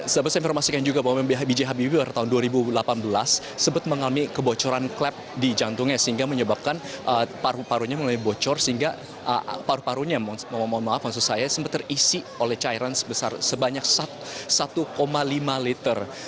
saya informasikan juga bahwa b j habibie pada tahun dua ribu delapan belas sempat mengalami kebocoran klep di jantungnya sehingga menyebabkan paru parunya mulai bocor sehingga paru parunya mohon maaf maksud saya sempat terisi oleh cairan sebanyak satu lima liter